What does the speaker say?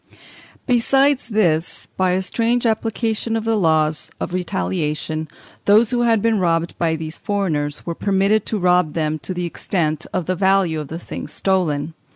Besides this, by a strange application of the laws of retaliation, those who had been robbed by these foreigners were permitted to rob them to the extent of the value of the things stolen.